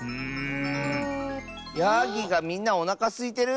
やぎがみんなおなかすいてる？